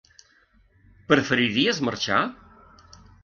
Preferiries marxar?